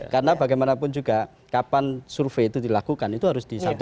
karena bagaimanapun juga kapan survei itu dilakukan itu harus disampaikan